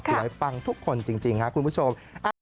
คืออะไรปังทุกคนจริงคุณผู้ชม